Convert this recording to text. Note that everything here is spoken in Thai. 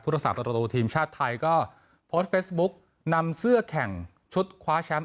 รักษาประตูทีมชาติไทยก็โพสต์เฟซบุ๊กนำเสื้อแข่งชุดคว้าแชมป์